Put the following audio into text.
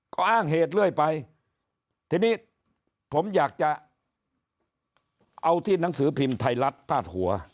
ความเหตุเรื่อยไปผมอยากจะเอาที่หนังสือพิมพ์ไทยรัตภาษ๗๔